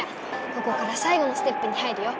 ここからさいごのステップに入るよ。